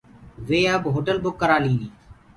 وي اب هوٽل بُڪ ڪرآلين هين۔